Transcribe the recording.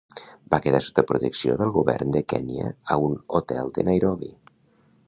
Va quedar sota protecció del govern de Kenya a un hotel de Nairobi.